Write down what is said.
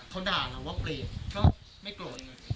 เขาด่าเราว่าเปรียบเขาไม่โกรธ